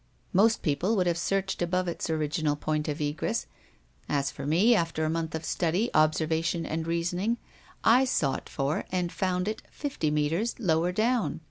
"Most people would have searched above its original point of egress. As for me, after a month of study, observation, and reasoning, I sought for and found it fifty meters lower down.